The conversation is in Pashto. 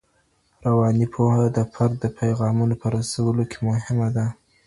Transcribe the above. رواني پوهه د فرد د پيغامونو په رسولو کې مهمه ده.